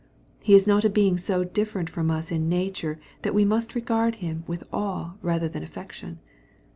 He is not a being so different from us in nature, that we must regard Him with awe rather than affection.